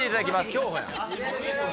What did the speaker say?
競歩やん！